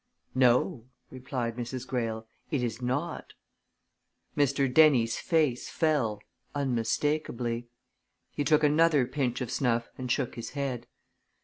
"No!" replied Mrs. Greyle. "It is not." Mr. Dennie's face fell unmistakably. He took another pinch of snuff and shook his head.